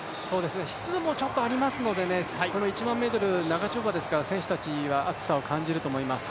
湿度も少しありますので、１００００ｍ長丁場ですので選手たちは暑さを感じると思います。